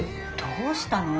どうしたの？